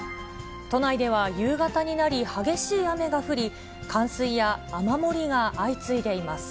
都内では夕方になり、激しい雨が降り、冠水や雨漏りが相次いでいます。